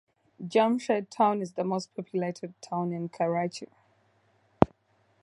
Jamshed Town is the most populated town in Karachi.